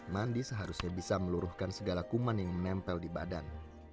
mandi seharusnya bisa meluruhkan segala kuman yang menempel di badan